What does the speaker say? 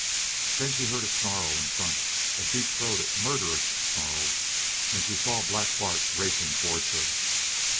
Then she heard a snarl in front, a deep throated, murderous snarl, and she saw Black Bart racing towards her.